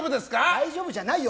大丈夫じゃないよ！